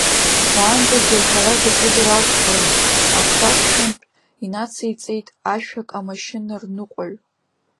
Уаанӡагьы аҳәара даҿызар акәхарын, агәҭахьшәантә инациҵеит ашәак амашьынарныҟәаҩ.